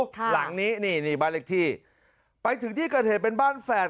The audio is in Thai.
หลังนี้นี่นี่บ้านเล็กที่ไปถึงที่เกิดเหตุเป็นบ้านแฝด